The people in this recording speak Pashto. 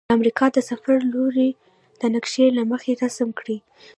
د امریکا د سفر لوري د نقشي له مخې رسم کړئ.